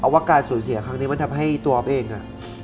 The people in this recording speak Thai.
อ๊อฟว่าการสูญเสียครั้งนี้มันทำให้ตัวอ๊อฟเองอะ